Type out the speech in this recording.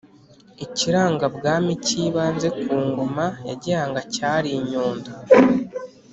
ikirangabwami cy'ibanze ku ngoma ya gihanga cyari inyundo,